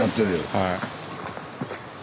はい。